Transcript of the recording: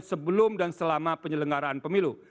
sebelum dan selama penyelenggaraan pemilu